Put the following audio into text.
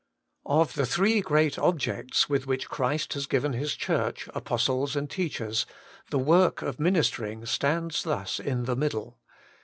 Of the three great objects with which Christ has given His Church apostles and teachers, the work of ministering stands thus in the middle.